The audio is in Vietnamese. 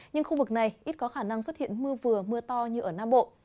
nhưng khu vực này ít có khả năng xuất hiện mưa vừa mưa to như ở nam bộ